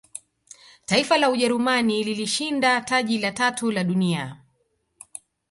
taifa la ujerumani lilishinda taji la tatu la dunia